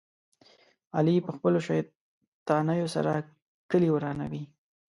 علي په خپلو شیطانیو سره کلي ورانوي.